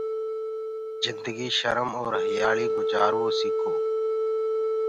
جندگي شرم اور هيآݪي گجآروو سيڪو